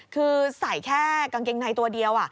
คือใส่แค่กางเกงในตัวเดียว